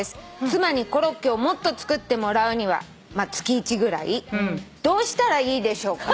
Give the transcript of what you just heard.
「妻にコロッケをもっと作ってもらうにはどうしたらいいでしょうか？」